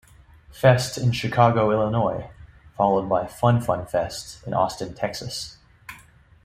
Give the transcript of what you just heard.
Fest in Chicago, Illinois, followed by Fun Fun Fest in Austin, Texas.